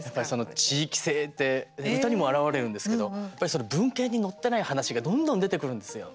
地域性って唄にも表れるんですけどやっぱり文献に載ってない話がどんどん出てくるんですよ。